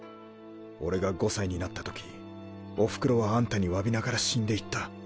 俺が５歳になった時おふくろはあんたに詫びながら死んでいった。